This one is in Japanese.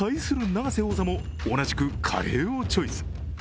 永瀬王座も、同じくカレーをチョイス。